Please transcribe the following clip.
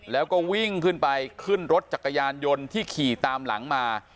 แล้วก็วิ่งขึ้นไปขึ้นรถจักรยานยนต์ที่ขี่ตามหลังมา